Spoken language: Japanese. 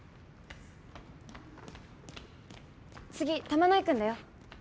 次玉乃井くんだよ。